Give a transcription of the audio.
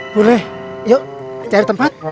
boleh yuk cari tempat